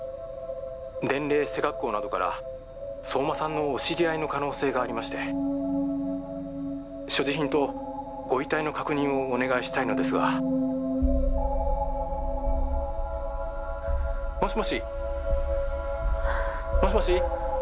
☎年齢背格好などから☎相馬さんのお知り合いの可能性がありまして☎所持品とご遺体の確認をお願いしたいのですが☎もしもしもしもし？